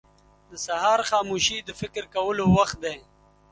• د سهار خاموشي د فکر کولو وخت دی.